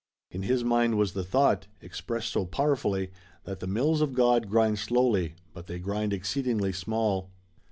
In his mind was the thought, expressed so powerfully, that the mills of God grind slowly, but they grind exceeding small.